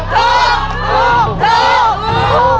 พูด